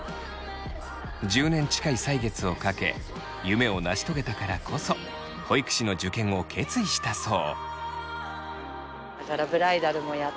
１０年近い歳月をかけ夢を成し遂げたからこそ保育士の受験を決意したそう。